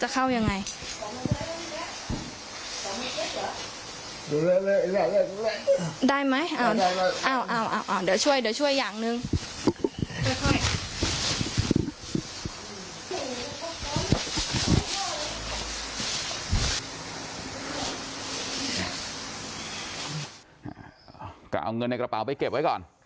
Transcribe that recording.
ก็เอาเงินในกระเป๋าไปเก็บไว้ก่อน